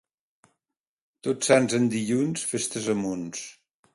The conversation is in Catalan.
Tots Sants en dilluns, festes a munts.